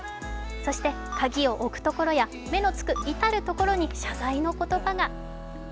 そして鍵を置くところや目のつく至る所に謝罪の言葉が。